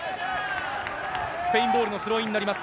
スペインボールのスローインになります。